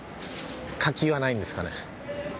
柿はないんですかね？